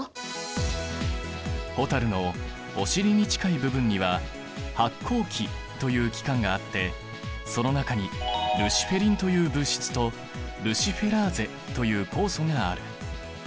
蛍のお尻に近い部分には発光器という器官があってその中にルシフェリンという物質とルシフェラーゼという酵素がある。